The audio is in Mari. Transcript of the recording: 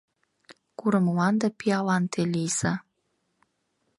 Курымланда пиалан те лийза.